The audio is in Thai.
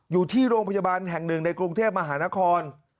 อยู่ที่โรงพยาบาลแห่งหนึ่งในกรุงเทพมหานคร